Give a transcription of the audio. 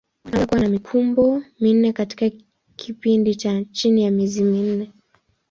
Wanaweza kuwa na mikumbo minne katika kipindi cha chini ya miezi minne.